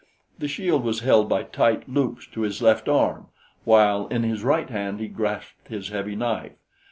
The shield was held by tight loops to his left arm, while in his right hand he grasped his heavy knife.